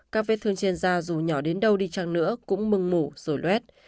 các vết thương trên da dù nhỏ đến đâu đi chăng nữa cũng mừng mủ rồi loét